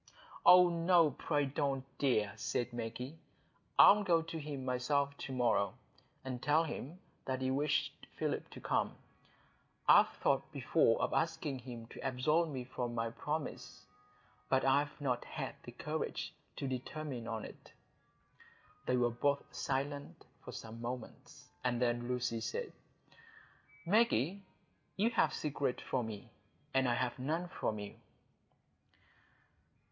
"Oh no, pray don't, dear," said Maggie. "I'll go to him myself to morrow, and tell him that you wish Philip to come. I've thought before of asking him to absolve me from my promise, but I've not had the courage to determine on it." They were both silent for some moments, and then Lucy said,— "Maggie, you have secrets from me, and I have none from you."